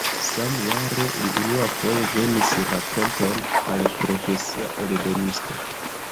Samjare li unuafoje venis rakonton al profesia eldonisto.